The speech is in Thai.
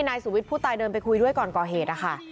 นายสุวิทย์ผู้ตายเดินไปคุยด้วยก่อนก่อเหตุนะคะ